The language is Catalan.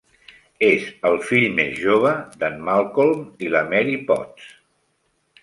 És el fill més jove d'en Malcolm i la Mary Potts.